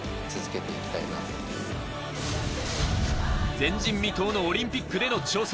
前人未到のオリンピックでの挑戦。